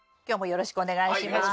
よろしくお願いします。